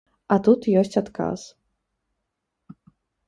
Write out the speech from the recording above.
А тут ёсць адказ.